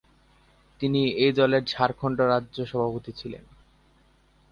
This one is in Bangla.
তিনি এই দলের ঝাড়খণ্ড রাজ্য সভাপতি ছিলেন।